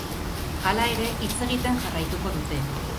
Hala ere, hitz egiten jarraituko dute.